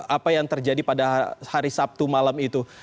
apa yang terjadi pada hari sabtu malam itu